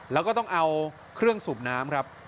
แล้วก็ต้องเอาเครื่องสูบน้ำครับ